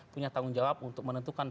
punya tanggung jawab untuk menentukan